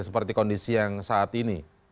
seperti kondisi yang saat ini